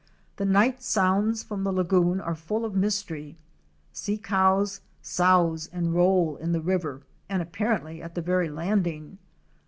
The night sounds from the lagoon are full of mystery. Sea cows souse and roll in the river and apparently at the very landing.